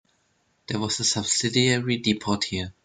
There was a subsidiary depot here.